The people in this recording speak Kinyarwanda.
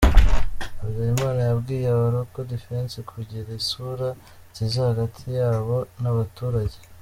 Habyarimana yabwiye aba-Local Defense kugira isura nziza hagati yabo n’abaturage.